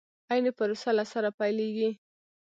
عين پروسه له سره پيلېږي.